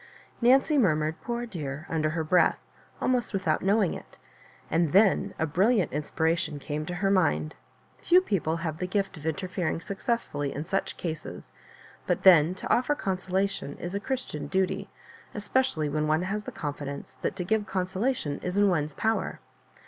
Nancy murmured " Poor dear 1 " under her breath, almost without knowing it, and then a brilliant inspiration came to her mind. Few people have the gift of interfering successfully in such cases, but then to offer consolation. is a Christian duty, especially when one has the confidence that to grive consolation is in one's power.